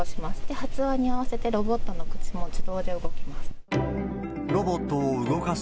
発話に合わせて、ロボットの口も自動で動きます。